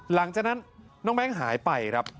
หลังจากนั้นน้องแบงค์หายไปครับ